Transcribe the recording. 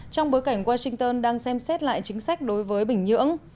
trong bối cảnh washington đang xem xét lại chính sách đối với bình nhưỡng